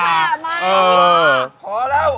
เอามาพา